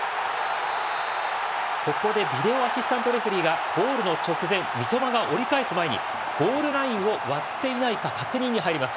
ここでビデオ・アシスタント・レフェリーがゴールの直前三笘が折り返す前にゴールラインを割っていないか確認に入ります。